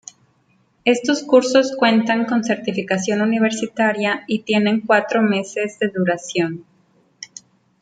Estos cursos cuentan con certificación universitaria y tienen cuatro meses de duración.